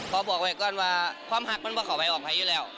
พอบอกไว้ก่อนว่าความหักมันก็เขาไปออกไปอยู่แล้ว